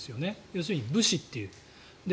要するに武士という。